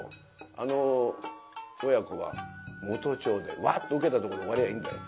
あの親子は「元帳でわっと受けたところで終わりゃあいいんだよ」。